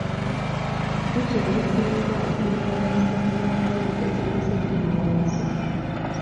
Bbukya ezisinga zirina ba kaasitoma baazo be ziguza ennyama yaazo.